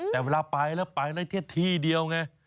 แต่เวลาไปแล้วไปแล้วเที่ยวที่เดียวไง